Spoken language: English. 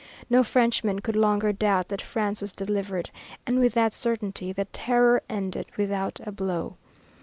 No Frenchman could longer doubt that France was delivered, and with that certainty the Terror ended without a blow.